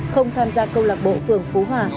không tham gia câu lạc bộ phường phú hòa